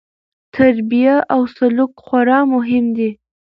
تربیه او سلوک خورا مهم دي.